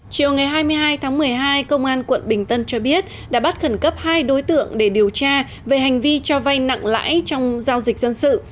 chiều ngày hai mươi hai tháng một mươi hai công an quận bình tân cho biết đã bắt khẩn cấp hai đối tượng để điều tra về hành vi cho vay nặng lãi trong giao dịch dân sự